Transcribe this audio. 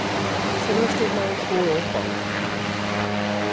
"So there stood my poor old body.